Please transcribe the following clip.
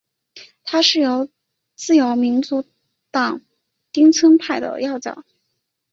他是自由民主党町村派的要角。